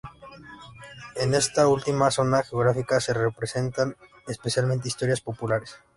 En esta última zona geográfica se representaban especialmente historias populares.